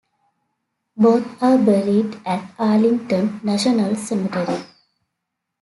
Both are buried at Arlington National Cemetery.